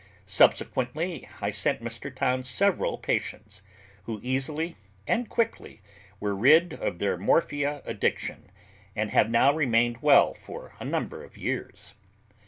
Subsequently, I sent Mr. Towns several patients, who easily and quickly were rid of their morphia addiction, and have now remained well for a number of years.